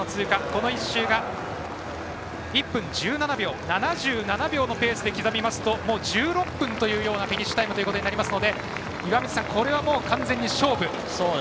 この１周が１分１７秒、７７秒のペースで刻みますと１６分というようなフィニッシュタイムとなるのでこれは、完全に勝負。